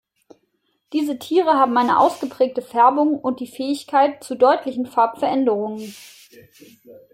Diese Tiere haben eine ausgeprägte Färbung und die Fähigkeit zu deutlichen Farbveränderungen.